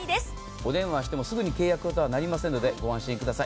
お電話してもすぐ契約とはなりませんので、ご安心ください。